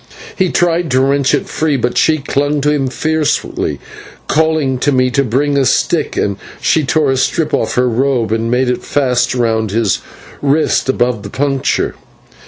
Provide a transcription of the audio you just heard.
He tried to wrench it free, but she clung to him fiercely, then, calling to me to bring a stick, she tore a strip off her robe and made it fast round his wrist above the puncture.